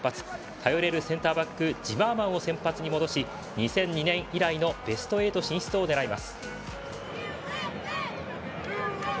頼れるセンターバックジマーマンを先発に戻し２００２年以来のベスト８進出を狙います。